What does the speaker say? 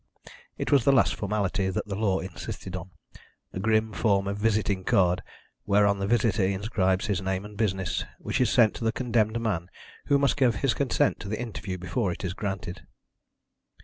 It was the last formality that the law insisted on a grim form of visiting card whereon the visitor inscribes his name and business, which is sent to the condemned man, who must give his consent to the interview before it is granted.